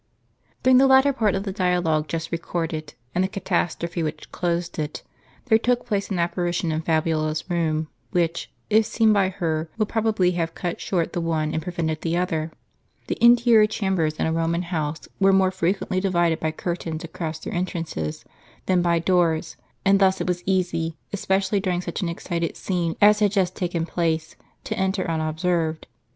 jTJKING tlie latter part of the dialogue just recorded, and the catastrophe which closed it, there took place an apparition in Fabi ola'sroom, which, if seen by her, would prob qMj have cut short the one and prevented the other. The interior chambers in a Eo man house were more frequently divided by curtains across their entrances than by doors; and thus it was easy, especially during such an excited scene as had just taken place, to enter unobserved.